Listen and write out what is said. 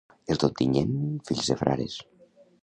Els d'Ontinyent, fills de frares